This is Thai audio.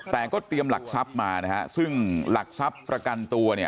แต่ก็เตรียมหลักทรัพย์มานะฮะซึ่งหลักทรัพย์ประกันตัวเนี่ย